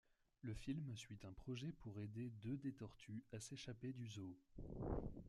Le film suit un projet pour aider deux des tortues à s'échapper du zoo.